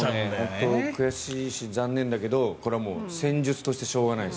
本当に悔しいし残念だけどこれは戦術としてしょうがないんです。